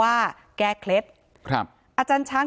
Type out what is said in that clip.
การแก้เคล็ดบางอย่างแค่นั้นเอง